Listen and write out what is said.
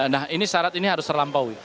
nah ini syarat ini harus terlampaui